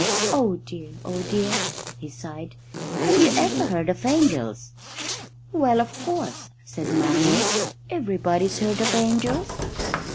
"Oh dear, oh dear!" he sighed. "Have you ever heard of angels?" "Well, of course," said Marian. "Everybody's heard of angels."